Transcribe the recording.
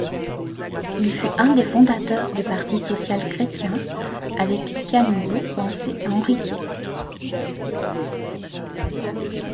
Il fut un des fondateurs du Parti Social Chrétien, avec Camilo Ponce Enríquez.